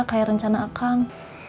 kayak rencana akang